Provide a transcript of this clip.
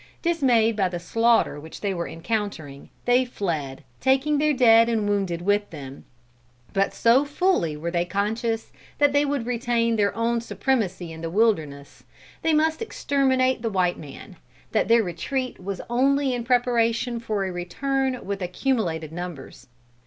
Dismayed by the slaughter which they were encountering, they fled, taking their dead and wounded with them. But so fully were they conscious, that would they retain their own supremacy in the wilderness, they must exterminate the white man, that their retreat was only in preparation for a return with accumulated numbers.